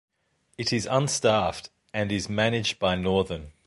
It is unstaffed, and is managed by Northern.